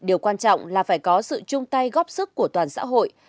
điều quan trọng là phải có sự chung tay góp sức của toàn xã hội